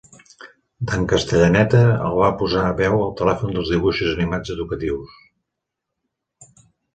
Dan Castellaneta el va posar veu al telèfon dels dibuixos animats educatius.